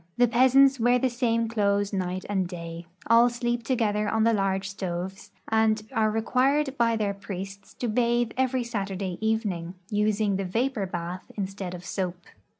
The peasants Avear the same clothes night and da}' ; all sleep together on the large stoves, and are required by their ])riests to bathe every Saturday evening, using the vapor bath instead of soap.